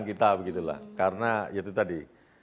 kita begitu lah karena itu tadi